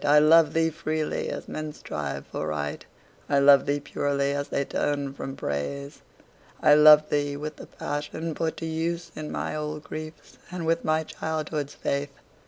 I love thee freely, as men strive for Right; I love thee purely, as they turn from Praise. I love thee with the passion put to use In my old griefs, and with my childhood's faith.